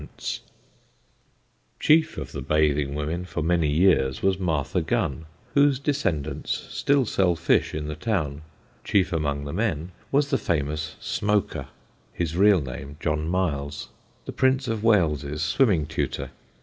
[Sidenote: "SMOAKER"] [Sidenote: MARTHA GUNN] Chief of the bathing women for many years was Martha Gunn, whose descendants still sell fish in the town; chief among the men was the famous Smoaker (his real name, John Miles) the Prince of Wales's swimming tutor.